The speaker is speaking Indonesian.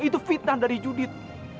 itu fitnah dari judit